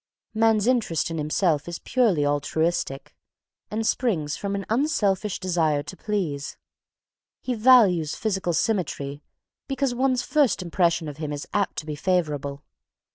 Man's interest in himself is purely altruistic and springs from an unselfish desire to please. He values physical symmetry because one's first impression of him is apt to be favourable.